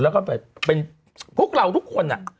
แล้วก็เป็นพวกเราทุกคนอ่ะ